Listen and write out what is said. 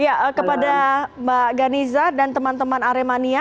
ya kepada mbak ghaniza dan teman teman aremania